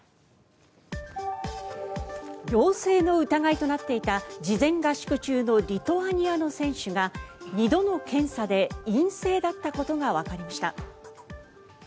陽性の疑いとなっていた事前合宿中のリトアニアの選手が２度の検査で陰性だったことがわかりました。